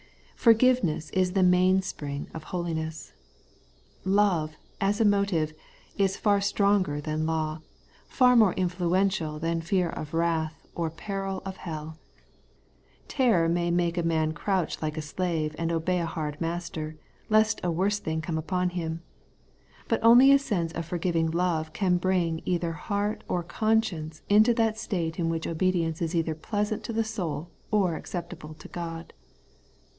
Forgiveness is the mainspring of holiness. Love, as a motive, is far stronger than law; far more influential than fear of wrath or peril of helL Terror may make a man crouch like a slave and obey a hard master, lest a worse thing come upon him; but only a sense of forgiving love can bring either heart or conscience into that state in which obedience is either pleasant to the soul or acceptable to God.